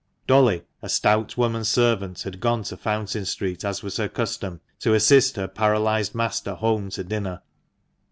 Dolly, a stout woman servant, had gone to Fountain Street, as was her custom, to assist her paralysed master home to dinner.